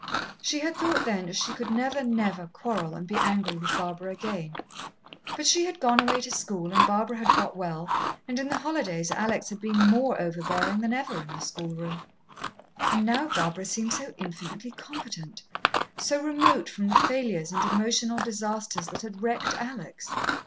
She had thought then that she could never, never quarrel and be angry with Barbara again. But she had gone away to school, and Barbara had got well, and in the holidays Alex had been more overbearing than ever in the schoolroom. And now Barbara seemed so infinitely competent so remote from the failures and emotional disasters that had wrecked Alex.